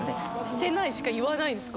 してないしか言わないんすか？